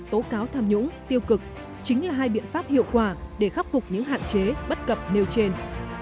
tố cáo tham nhũng tiêu cực chính là hai biện pháp hiệu quả để khắc phục những hạn chế bất cập nêu trên